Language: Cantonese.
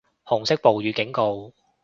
紅色暴雨警告